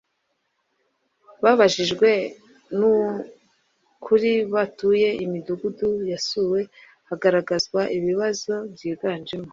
babajijwe ni kuri batuye Imidugudu yasuwe hagaragazwa ibibazo byiganjemo